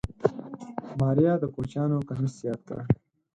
ماريا د کوچيانو کميس ياد کړ.